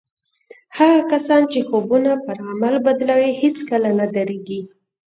هغه کسان چې خوبونه پر عمل بدلوي هېڅکله نه درېږي